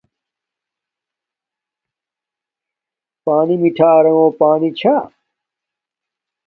پݳنݵ مِٹھݳ رݣݸ پݳنݵ چھݳ.